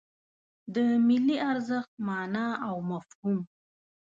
د ملي ارزښت مانا او مفهوم